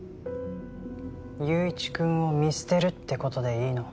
友一くんを見捨てるって事でいいの？